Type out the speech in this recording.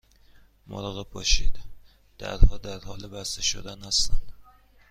مراقب باشید، درها در حال بسته شدن هستند.